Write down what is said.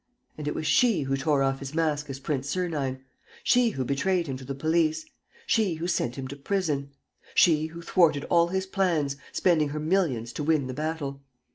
And it was she who tore off his mask as Prince Sernine, she who betrayed him to the police, she who sent him to prison, she who thwarted all his plans, spending her millions to win the battle.